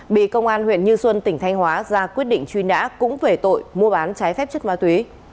bị công an huyện như xuân tỉnh thanh hóa ra quyết định truy nã cũng về tội mua bán trái phép chất ma túy